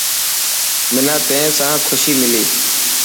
منان تين سان خوشي ملي.